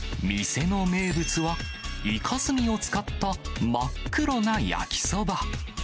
店の名物は、いかすみを使った真っ黒な焼きそば。